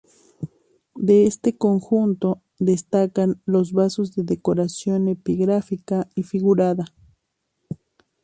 De este conjunto destacan los vasos con decoración epigráfica y figurada.